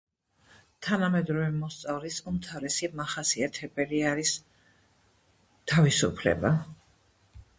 თანამედროვე მოსწავლის უმთავრესი მახასიათებელი არის თავისუფლება.